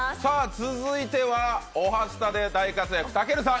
続いては「おはスタ」で大活躍たけるさん